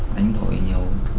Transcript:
đánh độ và nhiều thứ